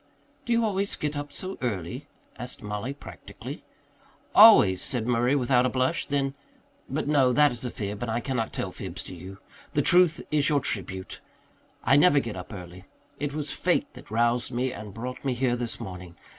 "Do you always get up so early?" asked Mollie practically. "Always," said Murray without a blush. Then "But no, that is a fib, and I cannot tell fibs to you. The truth is your tribute. I never get up early. It was fate that roused me and brought me here this morning.